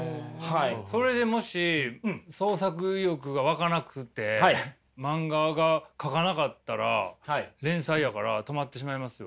それでもし創作意欲がわかなくて漫画が描かなかったら連載やから止まってしまいますよ。